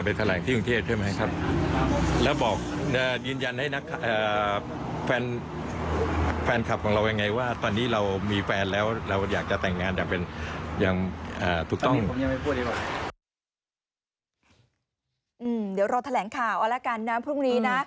เดี๋ยวเราแถลงข่าวเอาละกันนะพรุ่งนี้นะ